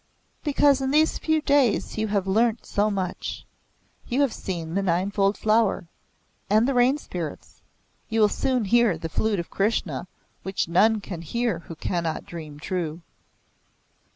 "Because in these few days you have learnt so much. You have seen the Ninefold Flower, and the rain spirits. You will soon hear the Flute of Krishna which none can hear who cannot dream true."